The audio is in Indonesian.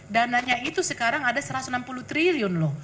dananya itu sekarang ada satu ratus enam puluh triliun loh